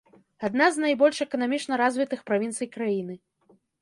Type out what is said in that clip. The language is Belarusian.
Адна з найбольш эканамічна развітых правінцый краіны.